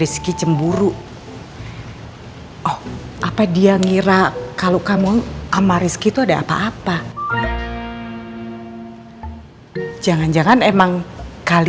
siap jumpa eksklusif di gtv